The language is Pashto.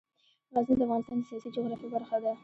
غزني د افغانستان د سیاسي جغرافیه برخه ده.